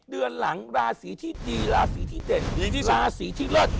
เดือนหลังราศีที่ดีราศีที่เด่นราศีที่เลิศ